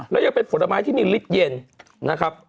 แล้วยังเป็นผลไม้ที่มีลิตรเย็นนะครับ